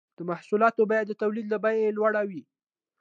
د محصولاتو بیه د تولید له بیې لوړه وي